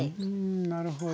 なるほど。